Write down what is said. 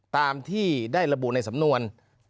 ตามที่ได้ระบุในสำนวน